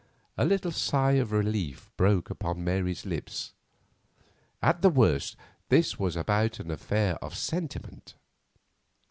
A little sigh of relief broke from Mary's lips. At the worst this was but an affair of sentiment.